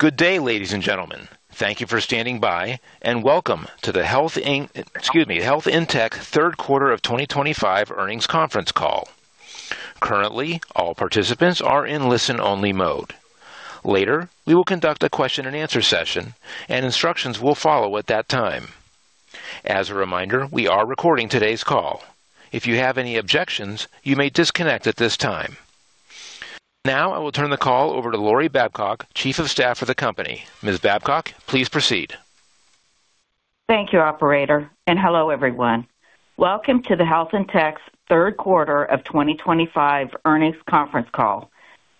Good day, ladies and gentlemen. Thank you for standing by, and welcome to the Health In Tech Third Quarter of 2025 earnings conference call. Currently, all participants are in listen-only mode. Later, we will conduct a question-and-answer session, and instructions will follow at that time. As a reminder, we are recording today's call. If you have any objections, you may disconnect at this time. Now, I will turn the call over to Lori Babcock, Chief of Staff for the company. Ms. Babcock, please proceed. Thank you, Operator, and hello, everyone. Welcome to Health In Tech's Third Quarter of 2025 Earnings Conference Call.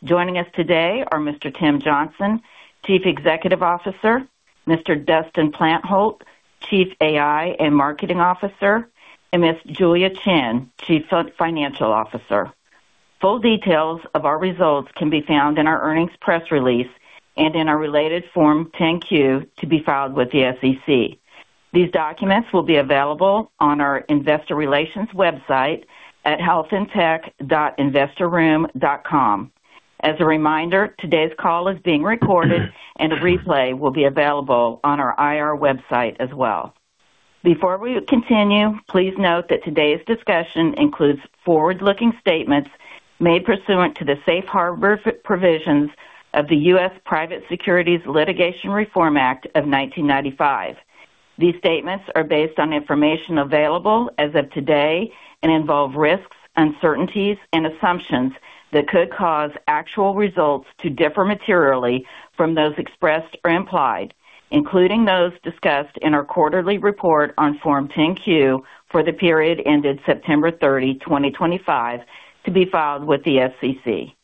Joining us today are Mr. Tim Johnson, Chief Executive Officer; Mr. Dustin Plantholt, Chief AI and Marketing Officer; and Ms. Julia Qian, Chief Financial Officer. Full details of our results can be found in our earnings press release and in our related Form 10-Q to be filed with the SEC. These documents will be available on our Investor Relations website at healthintech.investorroom.com. As a reminder, today's call is being recorded, and a replay will be available on our IR website as well. Before we continue, please note that today's discussion includes forward-looking statements made pursuant to the safe harbor provisions of the U.S. Private Securities Litigation Reform Act of 1995. These statements are based on information available as of today and involve risks, uncertainties, and assumptions that could cause actual results to differ materially from those expressed or implied, including those discussed in our quarterly report on Form 10-Q for the period ended September 30, 2025, to be filed with the SEC.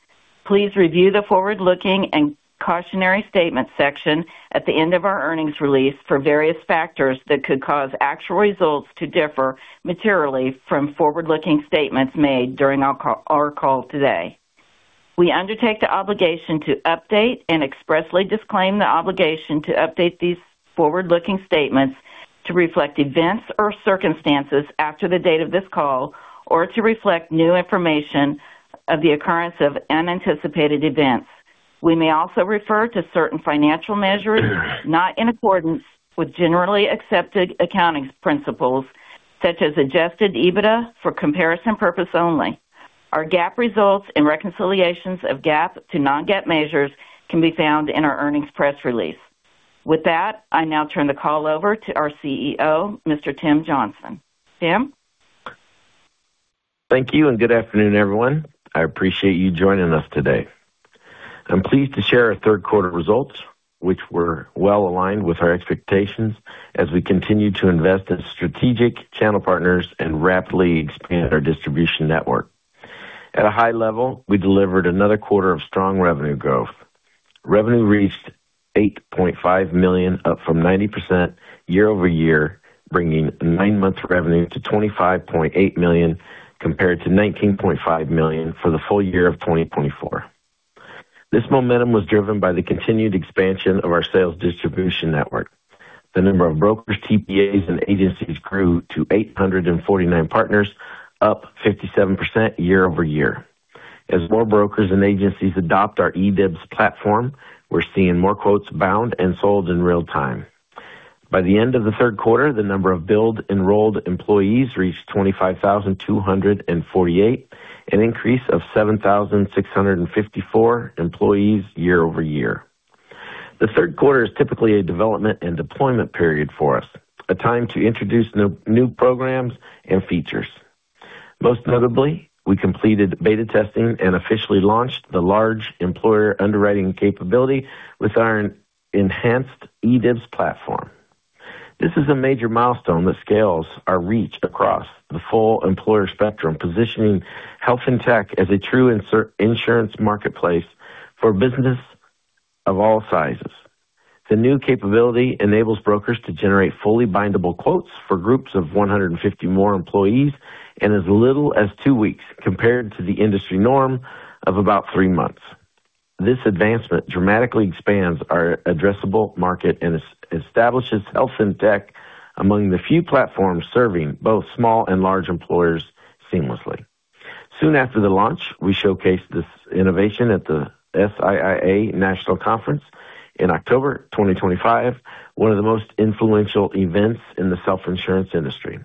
Please review the forward-looking and cautionary statements section at the end of our earnings release for various factors that could cause actual results to differ materially from forward-looking statements made during our call today. We undertake the obligation to update and expressly disclaim the obligation to update these forward-looking statements to reflect events or circumstances after the date of this call or to reflect new information or the occurrence of unanticipated events. We may also refer to certain financial measures not in accordance with generally accepted accounting principles, such Adjusted EBITDA for comparison purposes only. Our GAAP results and reconciliations of GAAP to non-GAAP measures can be found in our earnings press release. With that, I now turn the call over to our CEO, Mr. Tim Johnson. Tim? Thank you, and good afternoon, everyone. I appreciate you joining us today. I'm pleased to share our third-quarter results, which were well aligned with our expectations as we continue to invest in strategic channel partners and rapidly expand our distribution network. At a high level, we delivered another quarter of strong revenue growth. Revenue reached $8.5 million, up 90% year-over-year, bringing nine-month revenue to $25.8 million compared to $19.5 million for the full year of 2024. This momentum was driven by the continued expansion of our sales distribution network. The number of brokers, TPAs, and agencies grew to 849 partners, up 57% year-over-year. As more brokers and agencies adopt our eDIBS platform, we're seeing more quotes bound and sold in real time. By the end of the third quarter, the number of billed-enrolled employees reached 25,248, an increase of 7,654 employees year-over-year. The third quarter is typically a development and deployment period for us, a time to introduce new programs and features. Most notably, we completed beta testing and officially launched the large employer underwriting capability with our enhanced eDIBS platform. This is a major milestone that scales our reach across the full employer spectrum, positioning Health In Tech as a true insurance marketplace for businesses of all sizes. The new capability enables brokers to generate fully bindable quotes for groups of 150 or more employees in as little as two weeks compared to the industry norm of about three months. This advancement dramatically expands our addressable market and establishes Health In Tech among the few platforms serving both small and large employers seamlessly. Soon after the launch, we showcased this innovation at the SIIA National Conference in October 2025, one of the most influential events in the self-insurance industry.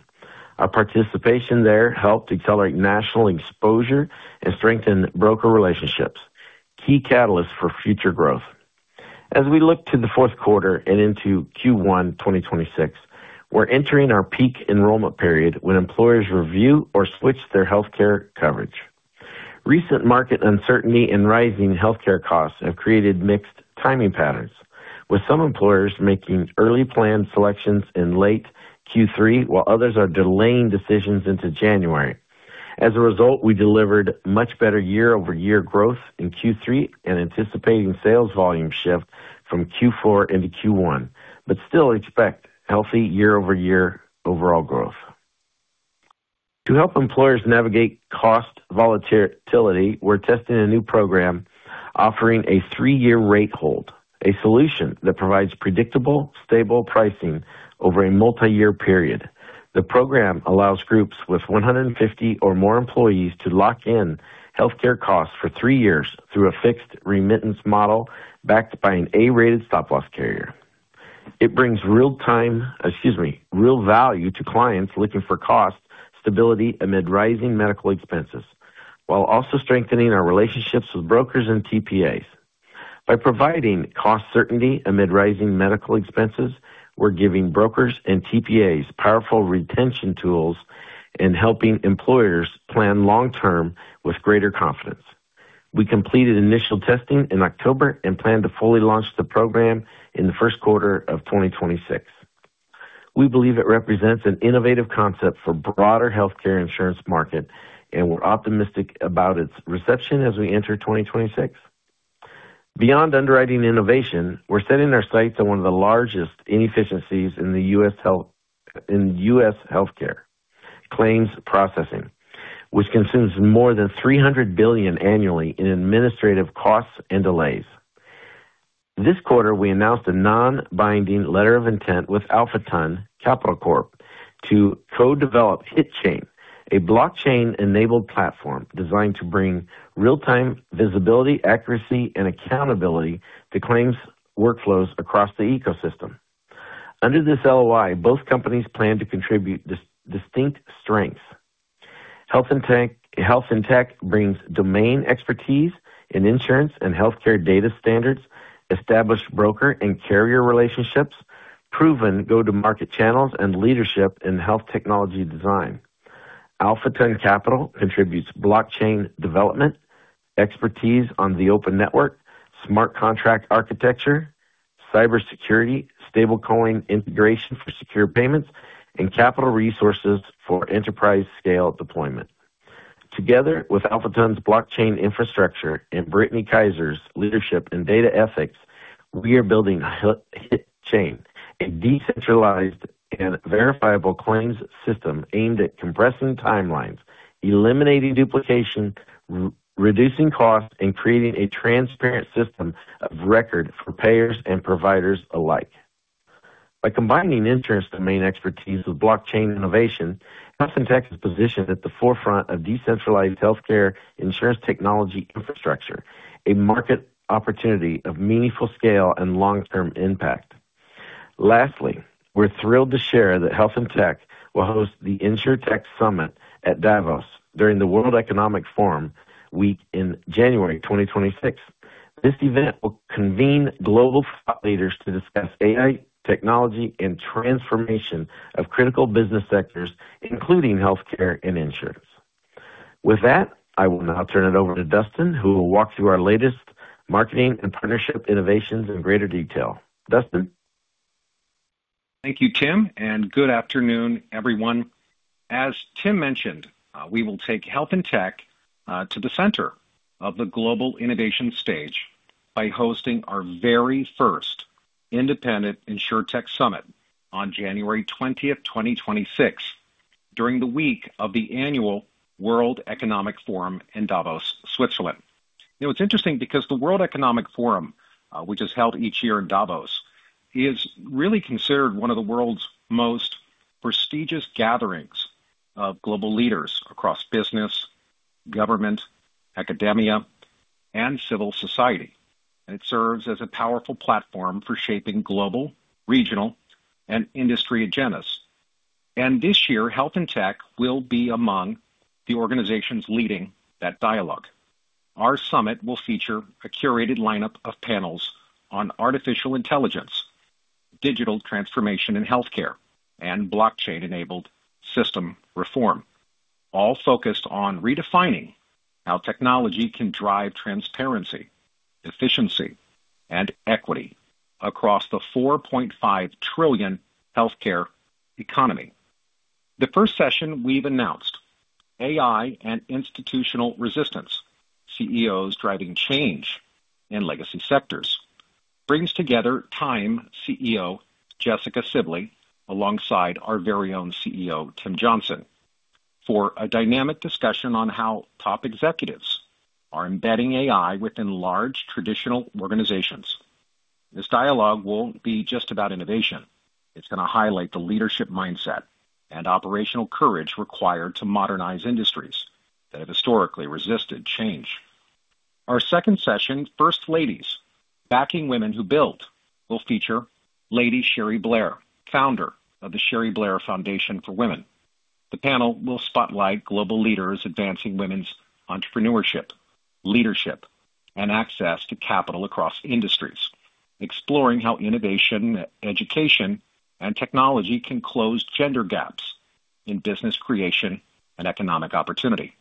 Our participation there helped accelerate national exposure and strengthen broker relationships, key catalysts for future growth. As we look to the fourth quarter and into Q1 2026, we're entering our peak enrollment period when employers review or switch their healthcare coverage. Recent market uncertainty and rising healthcare costs have created mixed timing patterns, with some employers making early plan selections in late Q3, while others are delaying decisions into January. As a result, we delivered much better year-over-year growth in Q3 and anticipating sales volume shift from Q4 into Q1, but still expect healthy year-over-year overall growth. To help employers navigate cost volatility, we're testing a new program offering a three-year rate hold, a solution that provides predictable, stable pricing over a multi-year period. The program allows groups with 150 or more employees to lock in healthcare costs for three years through a fixed remittance model backed by an A-rated stop-loss carrier. It brings real value to clients looking for cost stability amid rising medical expenses, while also strengthening our relationships with brokers and TPAs. By providing cost certainty amid rising medical expenses, we're giving brokers and TPAs powerful retention tools and helping employers plan long-term with greater confidence. We completed initial testing in October and plan to fully launch the program in the first quarter of 2026. We believe it represents an innovative concept for the broader healthcare insurance market, and we're optimistic about its reception as we enter 2026. Beyond underwriting innovation, we're setting our sights on one of the largest inefficiencies in U.S. healthcare: claims processing, which consumes more than $300 billion annually in administrative costs and delays. This quarter, we announced a non-binding letter of intent with AlphaTon Capital Corp to co-develop HitChain, a blockchain-enabled platform designed to bring real-time visibility, accuracy, and accountability to claims workflows across the ecosystem. Under this LOI, both companies plan to contribute distinct strengths. Health In Tech brings domain expertise in insurance and healthcare data standards, established broker and carrier relationships, proven go-to-market channels, and leadership in health technology design. AlphaTon Capital contributes blockchain development, expertise on the open network, smart contract architecture, cybersecurity, stablecoin integration for secure payments, and capital resources for enterprise-scale deployment. Together with AlphaTon's blockchain infrastructure and Brittany Kaiser's leadership in data ethics, we are building HitChain, a decentralized and verifiable claims system aimed at compressing timelines, eliminating duplication, reducing costs, and creating a transparent system of record for payers and providers alike. By combining insurance domain expertise with blockchain innovation, Health In Tech is positioned at the forefront of decentralized healthcare insurance technology infrastructure, a market opportunity of meaningful scale and long-term impact. Lastly, we're thrilled to share that Health In Tech will host the InsureTech Summit at Davos during the World Economic Forum Week in January 2026. This event will convene global thought leaders to discuss AI technology and transformation of critical business sectors, including healthcare and insurance. With that, I will now turn it over to Dustin, who will walk through our latest marketing and partnership innovations in greater detail. Dustin? Thank you, Tim, and good afternoon, everyone. As Tim mentioned, we will take Health In Tech to the center of the global innovation stage by hosting our very first independent InsureTech Summit on January 20, 2026, during the week of the annual World Economic Forum in Davos, Switzerland. Now, it's interesting because the World Economic Forum, which is held each year in Davos, is really considered one of the world's most prestigious gatherings of global leaders across business, government, academia, and civil society. It serves as a powerful platform for shaping global, regional, and industry agendas. This year, Health In Tech will be among the organizations leading that dialogue. Our summit will feature a curated lineup of panels on artificial intelligence, digital transformation in healthcare, and blockchain-enabled system reform, all focused on redefining how technology can drive transparency, efficiency, and equity across the $4.5 trillion healthcare economy. The first session we've announced, AI and institutional resistance, CEOs driving change in legacy sectors, brings together TIME CEO Jessica Sibley alongside our very own CEO, Tim Johnson, for a dynamic discussion on how top executives are embedding AI within large traditional organizations. This dialogue won't be just about innovation. It's going to highlight the leadership mindset and operational courage required to modernize industries that have historically resisted change. Our second session, First Ladies: Backing Women Who Build, will feature Lady Cherie Blair, founder of the Cherie Blair Foundation for Women. The panel will spotlight global leaders advancing women's entrepreneurship, leadership, and access to capital across industries, exploring how innovation, education, and technology can close gender gaps in business creation and economic opportunity.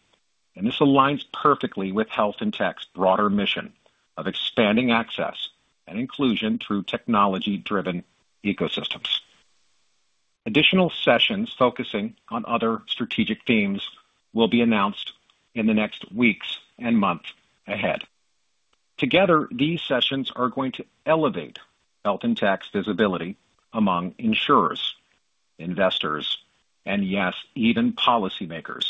This aligns perfectly with Health In Tech's broader mission of expanding access and inclusion through technology-driven ecosystems. Additional sessions focusing on other strategic themes will be announced in the next weeks and months ahead. Together, these sessions are going to elevate Health In Tech's visibility among insurers, investors, and yes, even policymakers,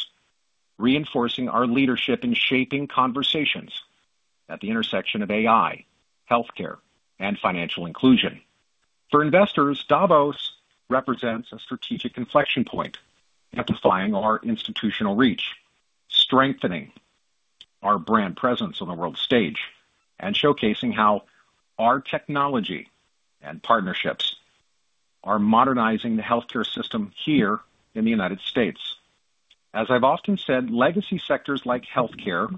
reinforcing our leadership in shaping conversations at the intersection of AI, healthcare, and financial inclusion. For investors, Davos represents a strategic inflection point, amplifying our institutional reach, strengthening our brand presence on the world stage, and showcasing how our technology and partnerships are modernizing the healthcare system here in the United States. As I've often said, legacy sectors like healthcare,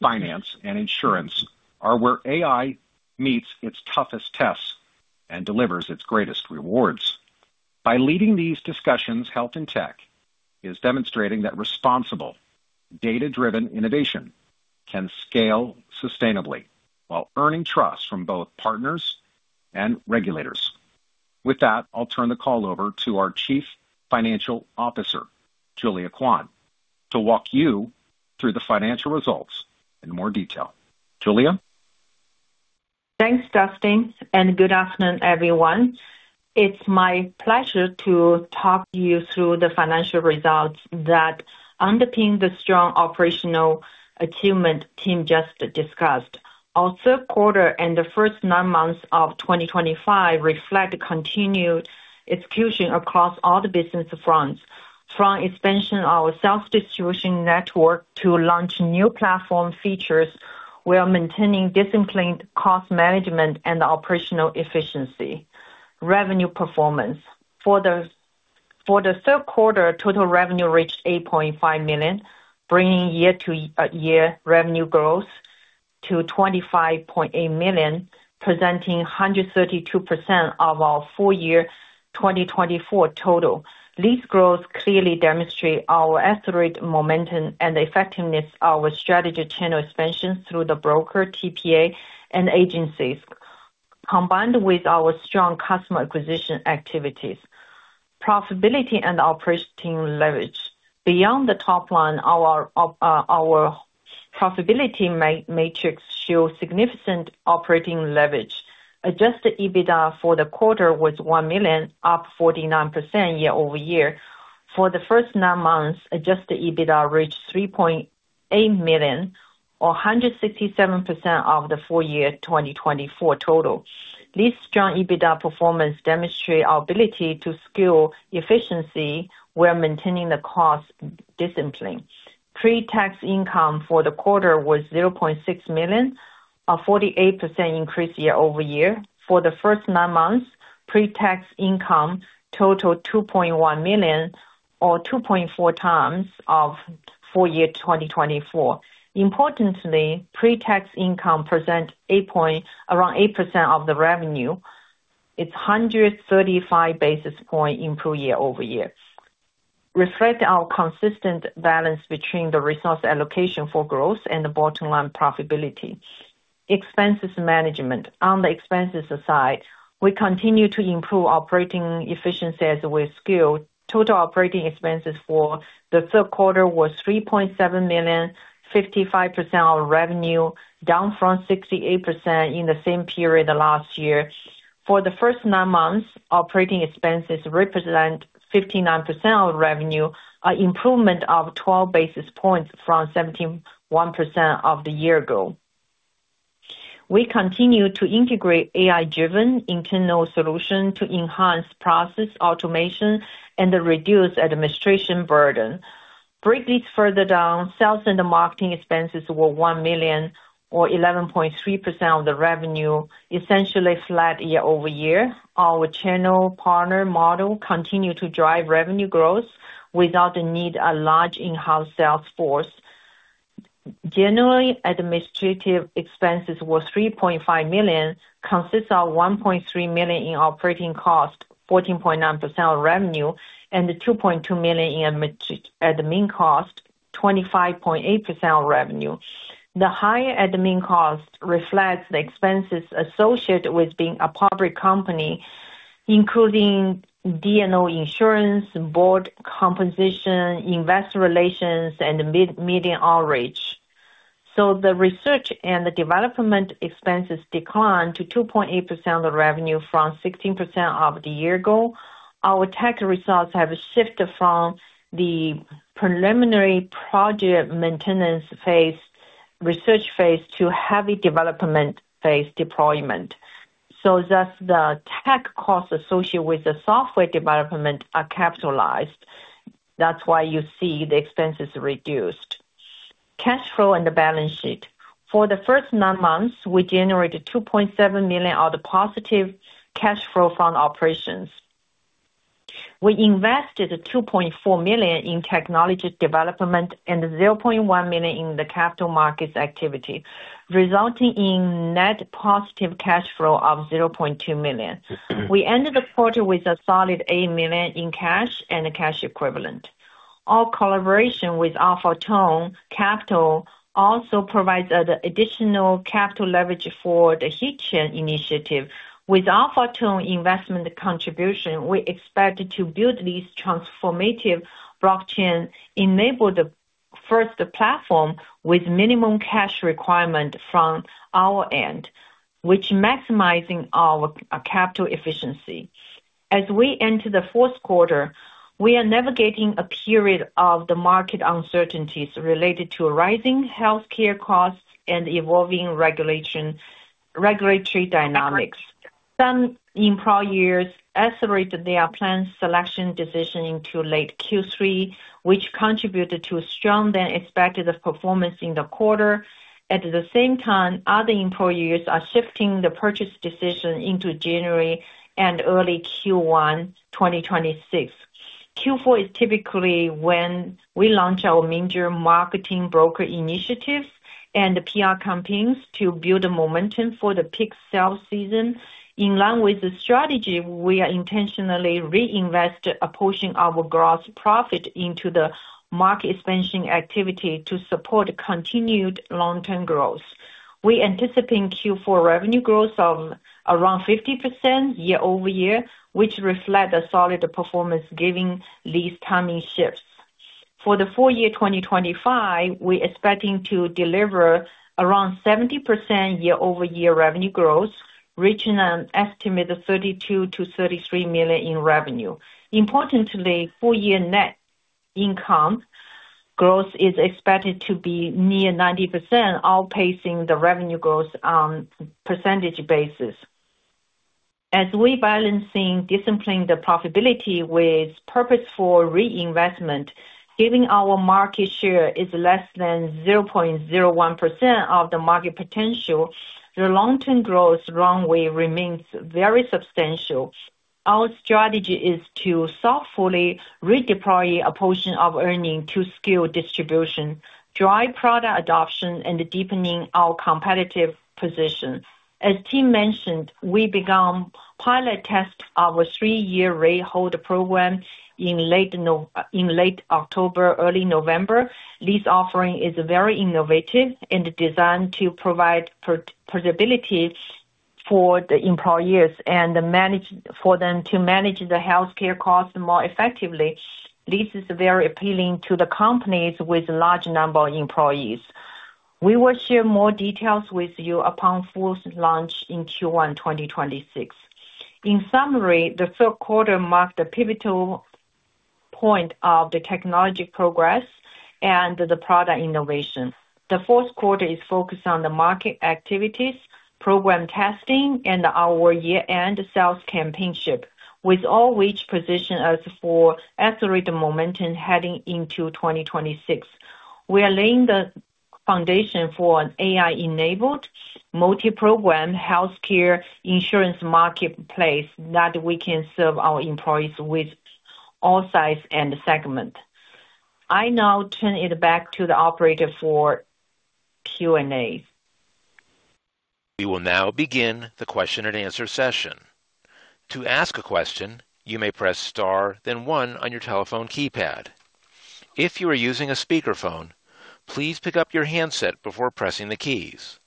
finance, and insurance are where AI meets its toughest tests and delivers its greatest rewards. By leading these discussions, Health In Tech is demonstrating that responsible, data-driven innovation can scale sustainably while earning trust from both partners and regulators. With that, I'll turn the call over to our Chief Financial Officer, Julia Qian, to walk you through the financial results in more detail. Julia? Thanks, Dustin, and good afternoon, everyone. It's my pleasure to talk you through the financial results that underpin the strong operational achievement Tim just discussed. Our third quarter and the first nine months of 2025 reflect continued execution across all the business fronts. From expansion of our self-distribution network to launch new platform features, we are maintaining disciplined cost management and operational efficiency. Revenue performance. For the third quarter, total revenue reached $8.5 million, bringing year-to-year revenue growth to $25.8 million, presenting 132% of our full year 2024 total. This growth clearly demonstrates our accelerated momentum and the effectiveness of our strategic channel expansion through the broker, TPA, and agencies, combined with our strong customer acquisition activities. Profitability and operating leverage. Beyond the top line, our profitability matrix shows significant operating Adjusted EBITDA for the quarter was $1 million, up 49% year-over-year. For the first nine Adjusted EBITDA reached $3.8 million, or 167% of the full year 2024 total. This strong EBITDA performance demonstrates our ability to scale efficiency while maintaining the cost discipline. Pre-tax income for the quarter was $0.6 million, a 48% increase year-over-year. For the first nine months, pre-tax income totaled $2.1 million, or 2.4 times of full year 2024. Importantly, pre-tax income presented around 8% of the revenue. It's 135 basis points improved year-over-year, reflecting our consistent balance between the resource allocation for growth and the bottom-line profitability. Expenses management. On the expenses side, we continue to improve operating efficiency as we scale. Total operating expenses for the third quarter was $3.7 million, 55% of revenue, down from 68% in the same period last year. For the first nine months, operating expenses represent 59% of revenue, an improvement of 12 basis points from 71% of the year ago. We continue to integrate AI-driven internal solutions to enhance process automation and reduce administration burden. Break this further down. Sales and marketing expenses were $1 million, or 11.3% of the revenue, essentially flat year-over-year. Our channel partner model continues to drive revenue growth without the need of a large in-house sales force. Generally, administrative expenses were $3.5 million, consisting of $1.3 million in operating cost, 14.9% of revenue, and $2.2 million in admin cost, 25.8% of revenue. The higher admin cost reflects the expenses associated with being a public company, including D&O insurance, board composition, investor relations, and median outreach. The research and development expenses declined to 2.8% of the revenue from 16% of the year ago. Our tech results have shifted from the preliminary project maintenance phase, research phase, to heavy development phase deployment. Thus, the tech costs associated with the software development are capitalized. That's why you see the expenses reduced. Cash flow and the balance sheet. For the first nine months, we generated $2.7 million of positive cash flow from operations. We invested $2.4 million in technology development and $0.1 million in the capital markets activity, resulting in net positive cash flow of $0.2 million. We ended the quarter with a solid $8 million in cash and cash equivalent. Our collaboration with AlphaTon Capital also provides additional capital leverage for the HitChain initiative. With AlphaTon investment contribution, we expect to build this transformative blockchain, enable the first platform with minimum cash requirement from our end, which maximizes our capital efficiency. As we enter the fourth quarter, we are navigating a period of market uncertainties related to rising healthcare costs and evolving regulatory dynamics. Some employees accelerated their plan selection decision into late Q3, which contributed to stronger than expected performance in the quarter. At the same time, other employees are shifting the purchase decision into January and early Q1 2026. Q4 is typically when we launch our major marketing broker initiatives and PR campaigns to build momentum for the peak sales season. In line with the strategy, we intentionally reinvest a portion of our gross profit into the market expansion activity to support continued long-term growth. We anticipate Q4 revenue growth of around 50% year-over-year, which reflects solid performance given these timing shifts. For the full year 2025, we are expecting to deliver around 70% year-over-year revenue growth, reaching an estimated $32-$33 million in revenue. Importantly, full-year net income growth is expected to be near 90%, outpacing the revenue growth on a percentage basis. As we balance disciplined profitability with purposeful reinvestment, given our market share is less than 0.01% of the market potential, the long-term growth runway remains very substantial. Our strategy is to thoughtfully redeploy a portion of earnings to scale distribution, drive product adoption, and deepen our competitive position. As Tim mentioned, we began pilot testing our three-year rate hold program in late October, early November. This offering is very innovative and designed to provide portability for the employees and to manage the healthcare costs more effectively. This is very appealing to companies with a large number of employees. We will share more details with you upon full launch in Q1 2026. In summary, the third quarter marked a pivotal point of the technology progress and the product innovation. The fourth quarter is focused on the market activities, program testing, and our year-end sales campaign, all of which position us for accelerated momentum heading into 2026. We are laying the foundation for an AI-enabled multi-program healthcare insurance marketplace that we can serve our employees with all sizes and segments. I now turn it back to the operator for Q&A. We will now begin the question-and-answer session. To ask a question, you may press Star, then 1 on your telephone keypad. If you are using a speakerphone, please pick up your handset before pressing the keys.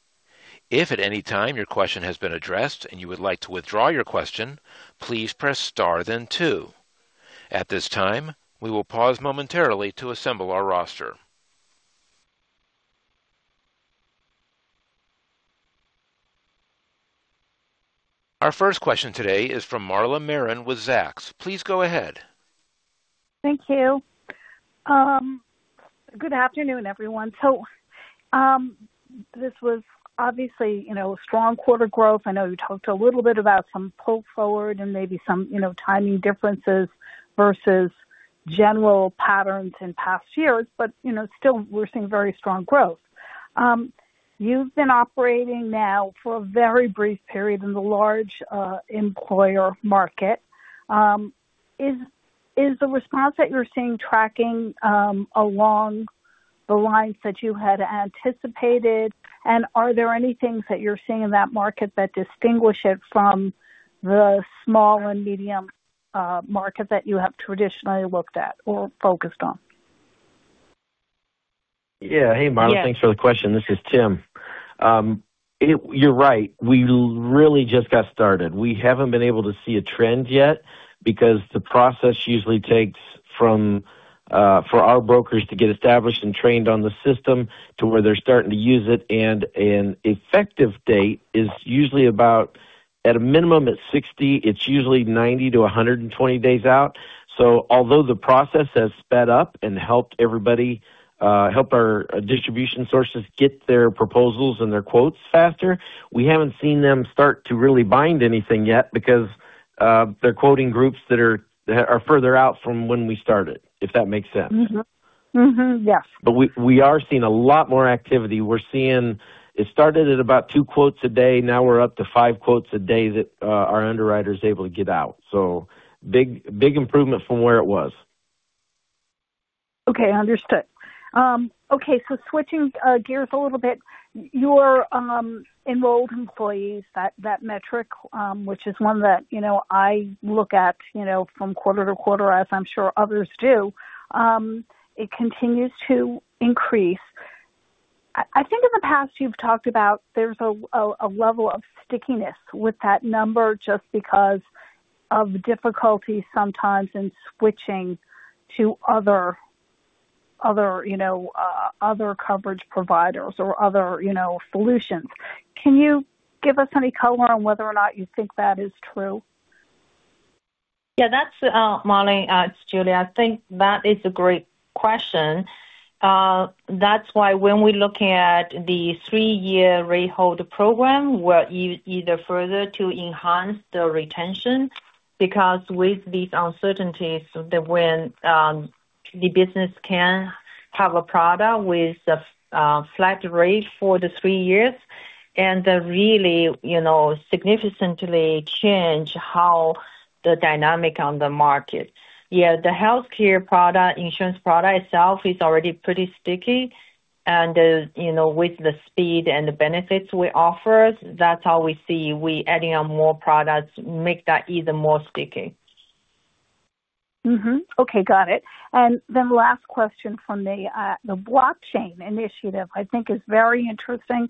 If at any time your question has been addressed and you would like to withdraw your question, please press Star, then 2. At this time, we will pause momentarily to assemble our roster. Our first question today is from Marla Marin with Zacks. Please go ahead. Thank you. Good afternoon, everyone. This was obviously a strong quarter growth. I know you talked a little bit about some pull forward and maybe some timing differences versus general patterns in past years, but still, we're seeing very strong growth. You've been operating now for a very brief period in the large employer market. Is the response that you're seeing tracking along the lines that you had anticipated? Are there any things that you're seeing in that market that distinguish it from the small and medium market that you have traditionally looked at or focused on? Yeah. Hey, Marla. Thanks for the question. This is Tim. You're right. We really just got started. We haven't been able to see a trend yet because the process usually takes for our brokers to get established and trained on the system to where they're starting to use it. An effective date is usually about, at a minimum, at 60. It's usually 90-120 days out. Although the process has sped up and helped everybody help our distribution sources get their proposals and their quotes faster, we haven't seen them start to really bind anything yet because they're quoting groups that are further out from when we started, if that makes sense. Yes. We are seeing a lot more activity. It started at about two quotes a day. Now we're up to five quotes a day that our underwriter is able to get out. So big improvement from where it was. Okay. Understood. Okay. Switching gears a little bit, your enrolled employees, that metric, which is one that I look at from quarter to quarter, as I'm sure others do, it continues to increase. I think in the past, you've talked about there's a level of stickiness with that number just because of difficulty sometimes in switching to other coverage providers or other solutions. Can you give us any color on whether or not you think that is true? Yeah. That's Marla and Julia. I think that is a great question. That's why when we look at the three-year rate hold program, we are either further to enhance the retention because with these uncertainties, when the business can have a product with a flat rate for the three years, and really significantly change how the dynamic on the market. Yeah. The healthcare insurance product itself is already pretty sticky. With the speed and the benefits we offer, that's how we see we adding on more products make that even more sticky. Okay. Got it. Last question from me. The blockchain initiative, I think, is very interesting.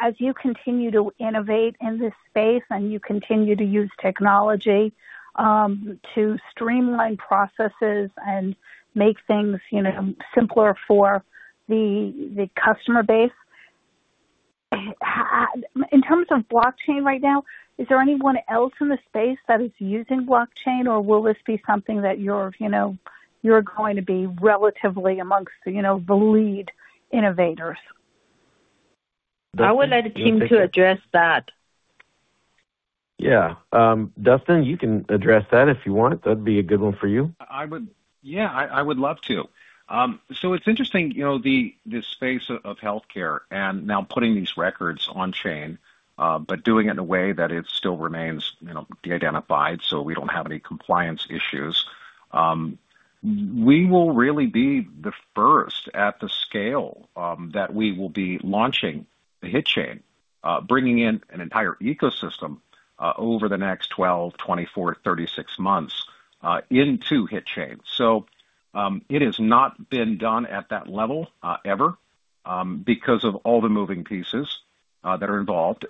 As you continue to innovate in this space and you continue to use technology to streamline processes and make things simpler for the customer base, in terms of blockchain right now, is there anyone else in the space that is using blockchain, or will this be something that you're going to be relatively amongst the lead innovators? I would like Tim to address that. Yeah. Dustin, you can address that if you want. That'd be a good one for you. Yeah. I would love to. It is interesting, the space of healthcare and now putting these records on chain, but doing it in a way that it still remains de-identified so we do not have any compliance issues. We will really be the first at the scale that we will be launching the HitChain, bringing in an entire ecosystem over the next 12, 24, 36 months into HitChain. It has not been done at that level ever because of all the moving pieces that are involved.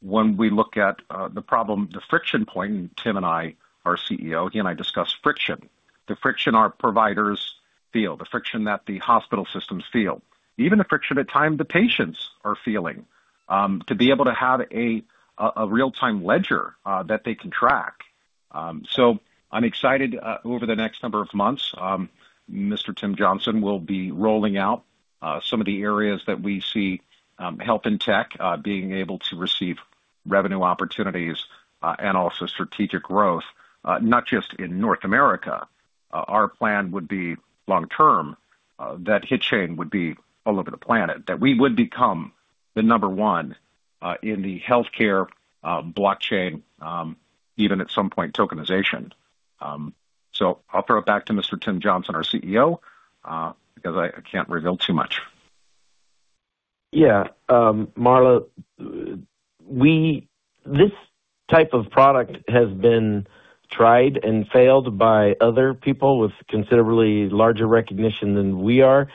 When we look at the problem, the friction point, Tim and I, our CEO, he and I discuss friction. The friction our providers feel, the friction that the hospital systems feel, even the friction at times the patients are feeling to be able to have a real-time ledger that they can track. I am excited over the next number of months. Mr. Tim Johnson will be rolling out some of the areas that we see Health In Tech being able to receive revenue opportunities and also strategic growth, not just in North America. Our plan would be long-term that HitChain would be all over the planet, that we would become the number one in the healthcare blockchain, even at some point tokenization. I will throw it back to Mr. Tim Johnson, our CEO, because I can't reveal too much. Yeah. Marla, this type of product has been tried and failed by other people with considerably larger recognition than we are.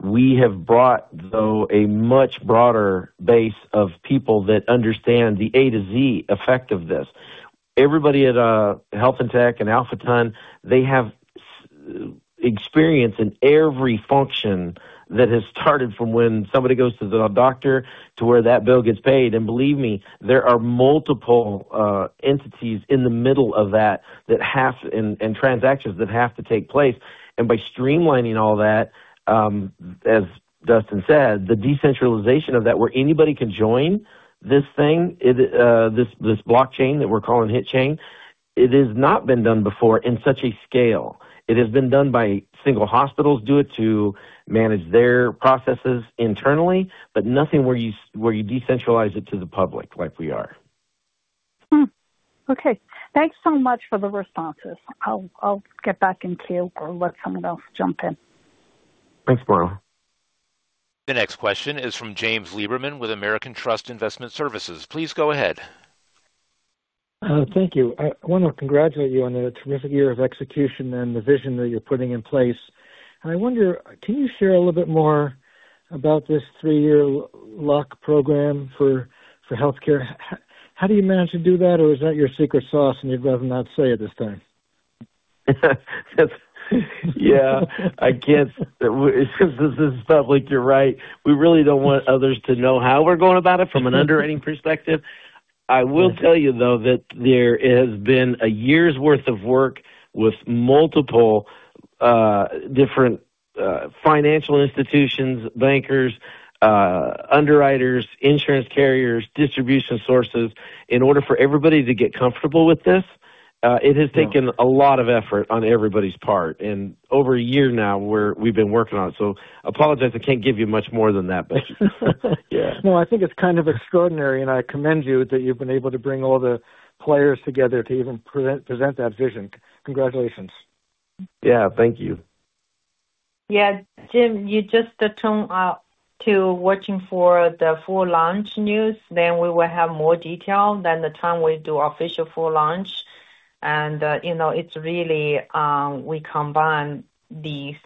We have brought, though, a much broader base of people that understand the A to Z effect of this. Everybody at Health In Tech and AlphaTon, they have experience in every function that has started from when somebody goes to the doctor to where that bill gets paid. Believe me, there are multiple entities in the middle of that and transactions that have to take place. By streamlining all that, as Dustin said, the decentralization of that where anybody can join this thing, this blockchain that we're calling HitChain, it has not been done before in such a scale. It has been done by single hospitals to manage their processes internally, but nothing where you decentralize it to the public like we are. Okay. Thanks so much for the responses. I'll get back in queue or let someone else jump in. Thanks, Marla. The next question is from James Lieberman with American Trust Investment Services. Please go ahead. Thank you. I want to congratulate you on the terrific year of execution and the vision that you're putting in place. I wonder, can you share a little bit more about this three-year rate hold program for healthcare? How do you manage to do that, or is that your secret sauce and you'd rather not say at this time? Yeah. I guess this is public, you're right. We really don't want others to know how we're going about it from an underwriting perspective. I will tell you, though, that there has been a year's worth of work with multiple different financial institutions, bankers, underwriters, insurance carriers, distribution sources. In order for everybody to get comfortable with this, it has taken a lot of effort on everybody's part. Over a year now, we've been working on it. I apologize. I can't give you much more than that, but yeah. No, I think it's kind of extraordinary. I commend you that you've been able to bring all the players together to even present that vision. Congratulations. Yeah. Thank you. Yeah. Tim, you just tune up to watching for the full launch news. Then we will have more detail than the time we do official full launch. It is really we combine the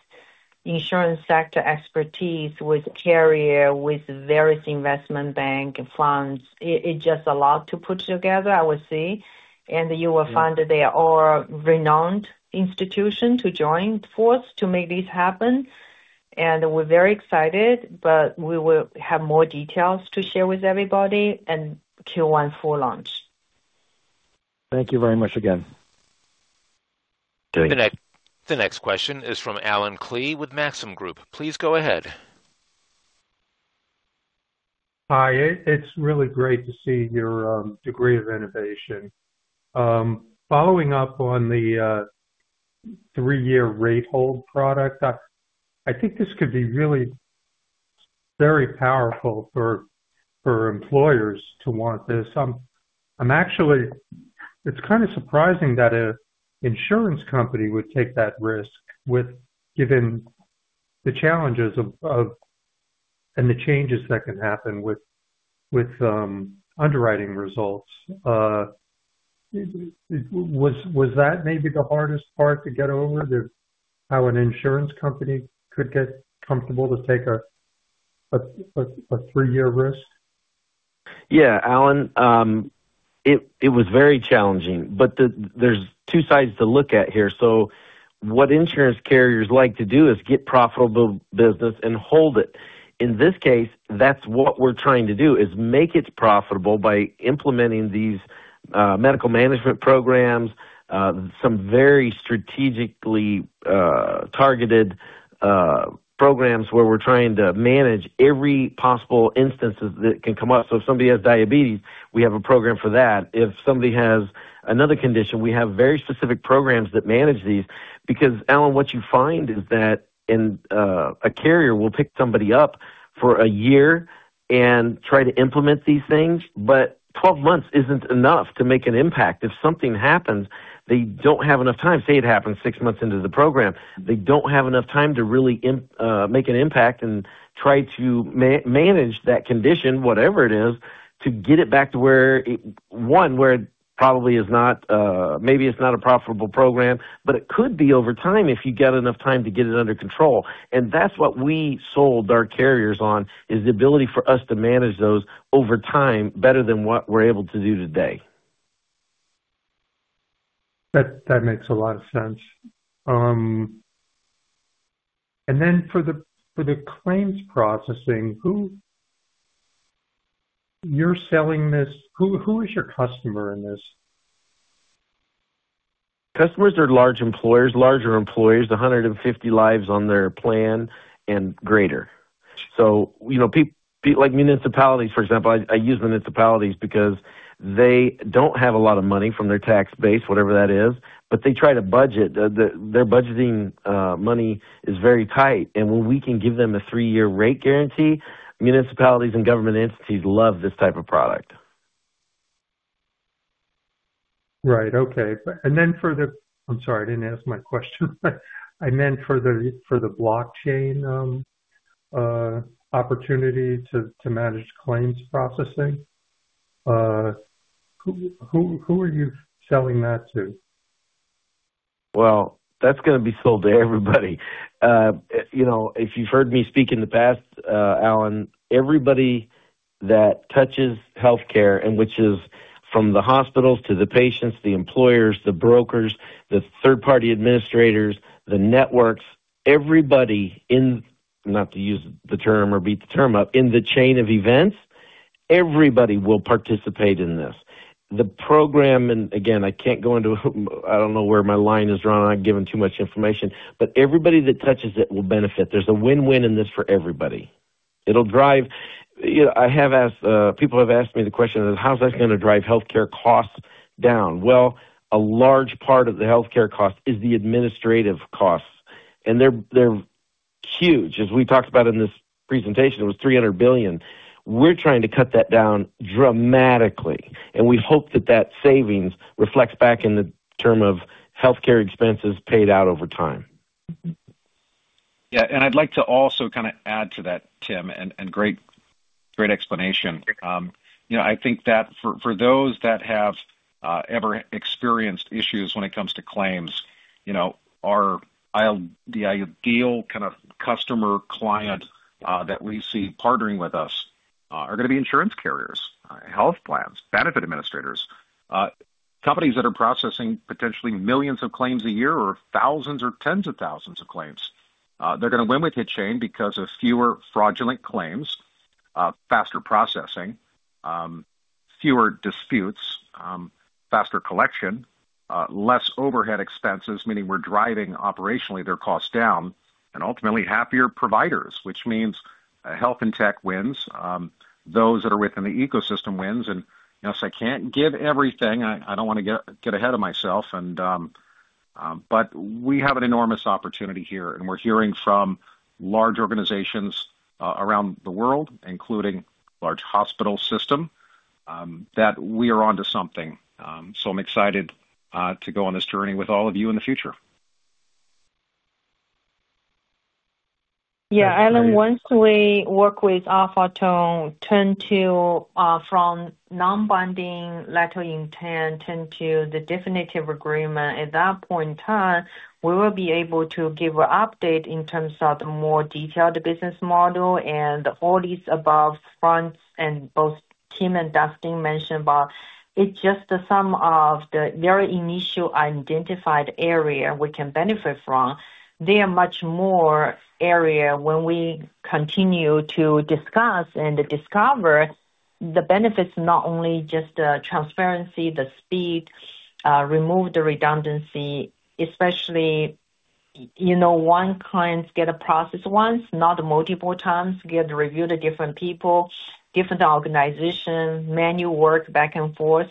insurance sector expertise with carrier with various investment bank funds. It is just a lot to put together, I would say. You will find that they are all renowned institutions to join force to make this happen. We are very excited, but we will have more details to share with everybody and Q1 full launch. Thank you very much again. The next question is from Allen Klee with Maxim Group. Please go ahead. Hi. It's really great to see your degree of innovation. Following up on the three-year rate hold program, I think this could be really very powerful for employers to want this. It's kind of surprising that an insurance company would take that risk given the challenges and the changes that can happen with underwriting results. Was that maybe the hardest part to get over, how an insurance company could get comfortable to take a three-year risk? Yeah. Alan, it was very challenging, but there's two sides to look at here. What insurance carriers like to do is get profitable business and hold it. In this case, that's what we're trying to do is make it profitable by implementing these medical management programs, some very strategically targeted programs where we're trying to manage every possible instance that can come up. If somebody has diabetes, we have a program for that. If somebody has another condition, we have very specific programs that manage these. Because, Alan, what you find is that a carrier will pick somebody up for a year and try to implement these things, but 12 months isn't enough to make an impact. If something happens, they don't have enough time. Say it happens six months into the program, they don't have enough time to really make an impact and try to manage that condition, whatever it is, to get it back to where, one, where it probably is not, maybe it's not a profitable program, but it could be over time if you get enough time to get it under control. That's what we sold our carriers on, is the ability for us to manage those over time better than what we're able to do today. That makes a lot of sense. And then for the claims processing, you're selling this. Who is your customer in this? Customers are large employers, larger employees, 150 lives on their plan and greater. Like municipalities, for example, I use municipalities because they do not have a lot of money from their tax base, whatever that is, but they try to budget. Their budgeting money is very tight. When we can give them a three-year rate guarantee, municipalities and government entities love this type of product. Right. Okay. I'm sorry, I didn't ask my question. I meant for the blockchain opportunity to manage claims processing, who are you selling that to? That's going to be sold to everybody. If you've heard me speak in the past, Alan, everybody that touches healthcare, which is from the hospitals to the patients, the employers, the brokers, the third-party administrators, the networks, everybody in, not to use the term or beat the term up, in the chain of events, everybody will participate in this. The program, and again, I can't go into, I don't know where my line is drawn. I've given too much information, but everybody that touches it will benefit. There's a win-win in this for everybody. I have asked, people have asked me the question of how's that going to drive healthcare costs down? A large part of the healthcare cost is the administrative costs. And they're huge. As we talked about in this presentation, it was $300 billion. We're trying to cut that down dramatically. We hope that that savings reflects back in the term of healthcare expenses paid out over time. Yeah. I'd like to also kind of add to that, Tim, and great explanation. I think that for those that have ever experienced issues when it comes to claims, the ideal kind of customer client that we see partnering with us are going to be insurance carriers, health plans, benefit administrators, companies that are processing potentially millions of claims a year or thousands or tens of thousands of claims. They're going to win with HitChain because of fewer fraudulent claims, faster processing, fewer disputes, faster collection, less overhead expenses, meaning we're driving operationally their costs down, and ultimately happier providers, which means Health In Tech wins, those that are within the ecosystem win. Yes, I can't give everything. I don't want to get ahead of myself. We have an enormous opportunity here. We're hearing from large organizations around the world, including large hospital systems, that we are onto something. I'm excited to go on this journey with all of you in the future. Yeah. Alan, once we work with AlphaTon, turn to from non-binding letter intent to the definitive agreement, at that point in time, we will be able to give an update in terms of the more detailed business model and all these above fronts and both Tim and Dustin mentioned about. It's just some of the very initial identified area we can benefit from. There are much more areas when we continue to discuss and discover the benefits, not only just the transparency, the speed, remove the redundancy, especially one client gets a process once, not multiple times, gets reviewed by different people, different organizations, manual work back and forth.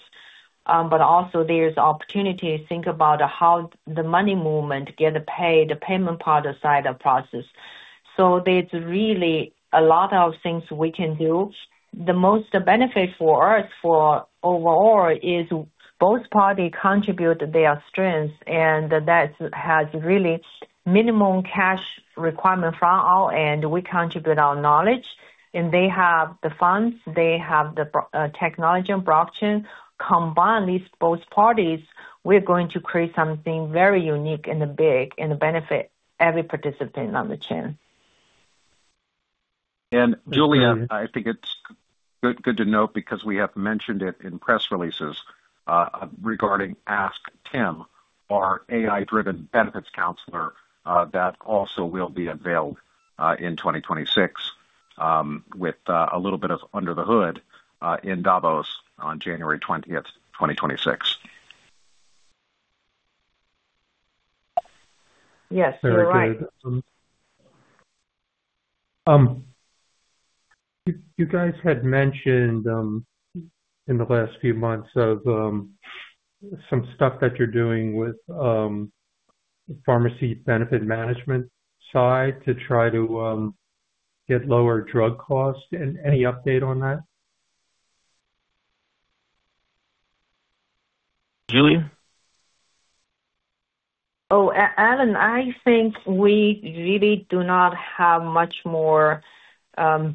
Also there's opportunity to think about how the money movement, get paid, the payment part aside of process. There is really a lot of things we can do. The most benefit for us overall is both parties contribute their strengths, and that has really minimum cash requirement from our end. We contribute our knowledge, and they have the funds, they have the technology and blockchain. Combine these both parties, we're going to create something very unique and big and benefit every participant on the chain. Julia, I think it's good to note because we have mentioned it in press releases regarding Ask Tim, our AI-driven benefits counselor that also will be unveiled in 2026 with a little bit of under the hood in Davos on January 20, 2026. Yes. You guys had mentioned in the last few months of some stuff that you're doing with pharmacy benefit management side to try to get lower drug costs. Any update on that? Julia? Oh, Alan, I think we really do not have much more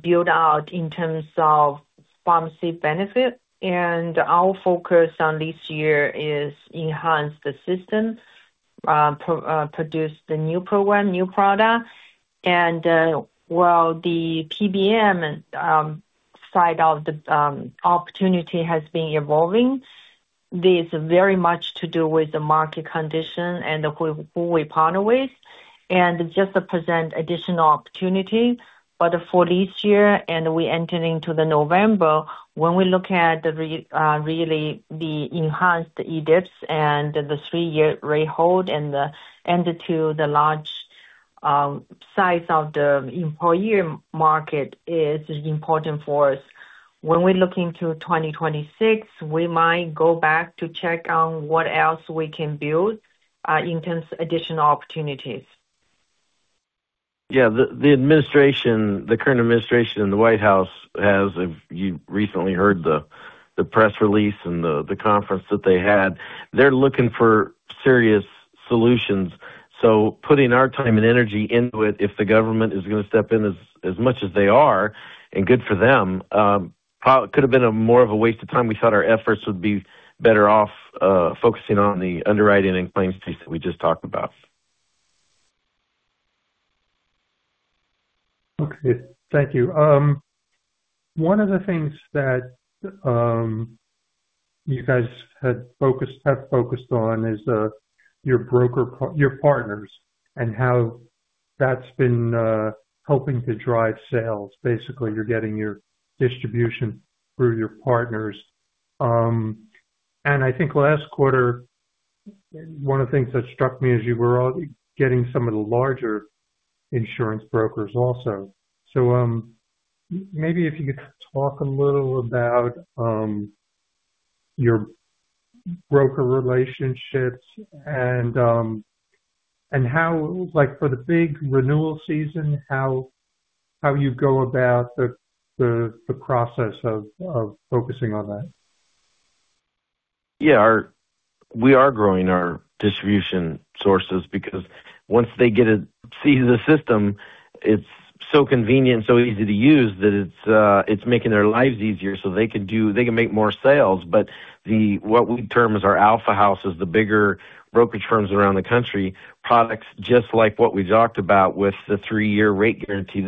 built out in terms of pharmacy benefit. Our focus this year is enhance the system, produce the new program, new product. While the PBM side of the opportunity has been evolving, there's very much to do with the market condition and who we partner with, just to present additional opportunity. For this year, and we're entering into November, when we look at really the enhanced eDIBS and the three-year rate hold and the end to the large size of the employer market, it is important for us. When we're looking to 2026, we might go back to check on what else we can build in terms of additional opportunities. Yeah. The current administration in the White House has, if you recently heard the press release and the conference that they had, they're looking for serious solutions. So putting our time and energy into it, if the government is going to step in as much as they are, and good for them, it could have been more of a waste of time. We thought our efforts would be better off focusing on the underwriting and claims piece that we just talked about. Okay. Thank you. One of the things that you guys have focused on is your partners and how that's been helping to drive sales. Basically, you're getting your distribution through your partners. I think last quarter, one of the things that struck me is you were getting some of the larger insurance brokers also. Maybe if you could talk a little about your broker relationships and for the big renewal season, how you go about the process of focusing on that. Yeah. We are growing our distribution sources because once they get to see the system, it's so convenient, so easy to use that it's making their lives easier so they can make more sales. What we term as our AlphaTon, the bigger brokerage firms around the country, products just like what we talked about with the three-year rate guarantee.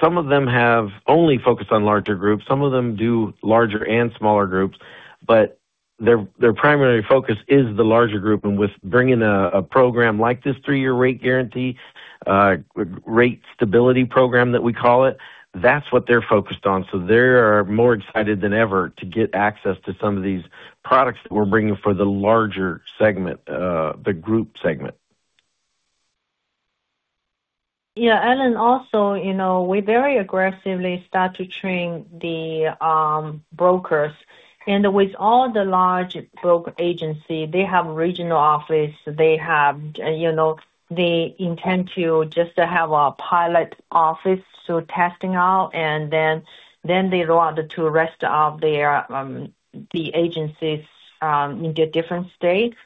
Some of them have only focused on larger groups. Some of them do larger and smaller groups, but their primary focus is the larger group. With bringing a program like this three-year rate guarantee, rate stability program that we call it, that's what they're focused on. They are more excited than ever to get access to some of these products that we're bringing for the larger segment, the group segment. Yeah. Alan, also, we very aggressively start to train the brokers. With all the large broker agencies, they have regional offices. They intend to just have a pilot office to test out, and then they roll out to the rest of the agencies in their different states.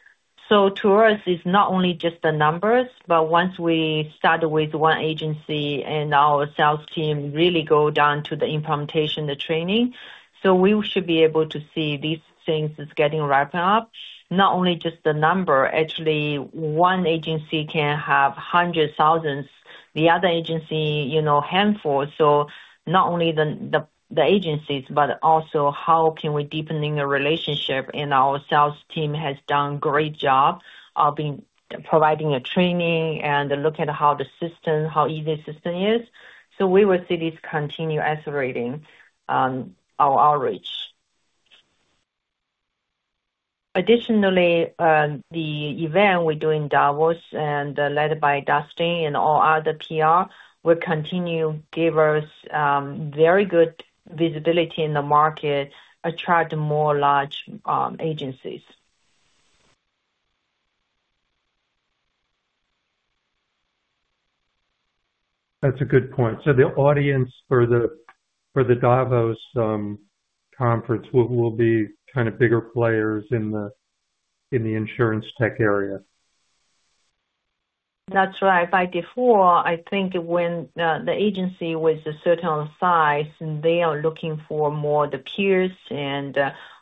To us, it's not only just the numbers, but once we start with one agency and our sales team really go down to the implementation, the training, we should be able to see these things getting wrapped up. Not only just the number, actually, one agency can have hundreds of thousands, the other agency handful. Not only the agencies, but also how can we deepen our relationship, and our sales team has done a great job of providing training and looking at how the system, how easy the system is. We will see this continue accelerating our outreach. Additionally, the event we're doing in Davos and led by Dustin and all other PR will continue to give us very good visibility in the market, attract more large agencies. That's a good point. So the audience for the Davos conference will be kind of bigger players in the insurance tech area? That's right. Like before, I think when the agency was a certain size, they are looking for more of the peers and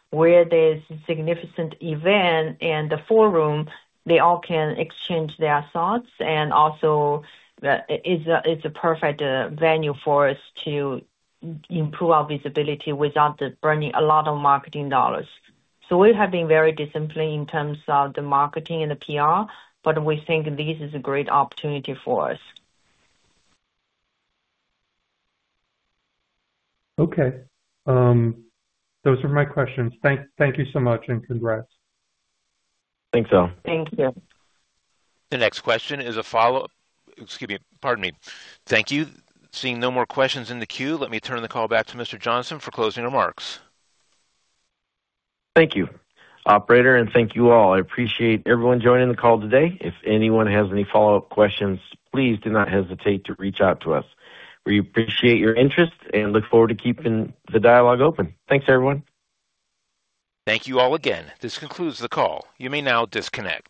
where there's a significant event and the forum, they all can exchange their thoughts. Also, it's a perfect venue for us to improve our visibility without burning a lot of marketing dollars. We have been very disciplined in terms of the marketing and the PR, but we think this is a great opportunity for us. Okay. Those are my questions. Thank you so much and congrats. Thanks, Alan. Thank you. The next question is a follow-up. Excuse me. Pardon me. Thank you. Seeing no more questions in the queue, let me turn the call back to Mr. Johnson for closing remarks. Thank you, Operator, and thank you all. I appreciate everyone joining the call today. If anyone has any follow-up questions, please do not hesitate to reach out to us. We appreciate your interest and look forward to keeping the dialogue open. Thanks, everyone. Thank you all again. This concludes the call. You may now disconnect.